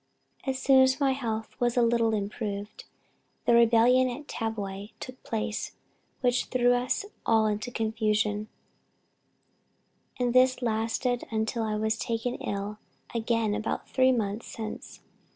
As soon as my health was a little improved, the rebellion at Tavoy took place, which threw us all into confusion, and this lasted until I was taken ill again about three months since.